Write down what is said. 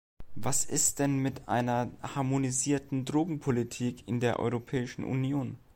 Was ist denn mit einer harmonisierten Drogenpolitik in der Europäischen Union?